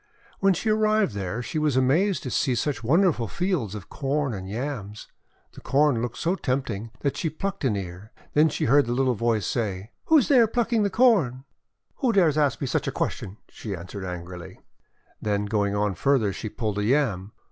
When she arrived there, she was amazed to see such wonderful fields of Corn and Yams. The Corn looked so tempting that she plucked an ear. Then she heard the little voice say :— 'Who is there, plucking the Corn?' 'WTio dares ask me such a question?" she an swered angrily. Then, going on farther, she pulled a Yam.